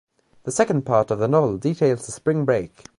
The second part of the novel details the spring break.